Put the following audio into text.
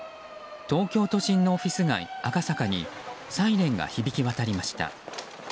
東京都心のオフィス街・赤坂にサイレンが響き渡りました。